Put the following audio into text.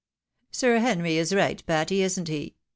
" Sir Henry is right, Patty, isn't he